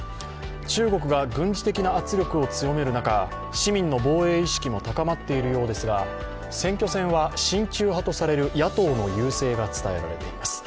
中国が軍事的な圧力を強める中、市民の防衛意識も高まっているようですが選挙戦は親中派とされる野党の優勢が伝えられています。